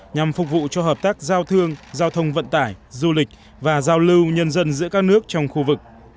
nhằm phục vụ cho hợp tác giao thương giao thông vận tải du lịch và giao lưu nhân dân giữa các nước trong khu vực